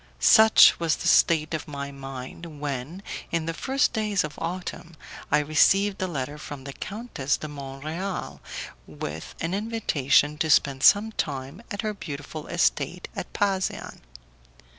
Such was the state of my mind, when, in the first days of autumn, I received a letter from the Countess de Mont Real with an invitation to spend some time at her beautiful estate at Pasean.